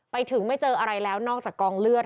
ไปถึงไม่เจออะไรแล้วนอกจากกองเลือด